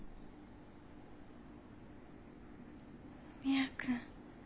文也君。